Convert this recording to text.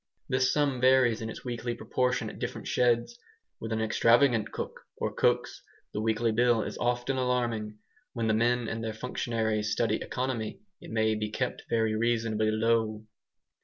This sum varies in its weekly proportion at different sheds. With an extravagant cook, or cooks, the weekly bill is often alarming. When the men and their functionary study economy it may be kept very reasonably low.